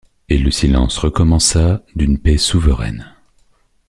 Et le silence recommença, d’une paix souveraine.